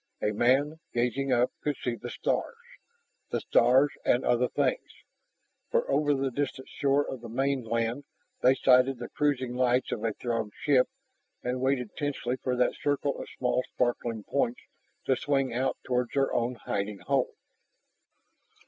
A man, gazing up, could see the stars. The stars and other things, for over the distant shore of the mainland they sighted the cruising lights of a Throg ship and waited tensely for that circle of small sparkling points to swing out toward their own hiding hole.